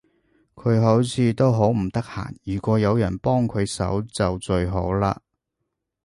佢好似都好唔得閒，如果有人幫佢手就最好嘞